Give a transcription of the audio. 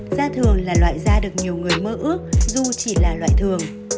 da thường là loại da được nhiều người mơ ước dù chỉ là loại thường